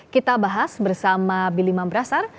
kita bahas bersama bili mam brasar